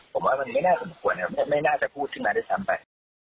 ผมแม้มังไม่ได้สมควรไม่ไม่น่าจะพูดถึงมาที่สามไป